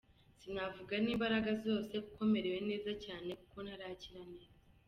Sinavuga n’imbaraga zose ko merewe neza cyane, kuko ntarakira neza.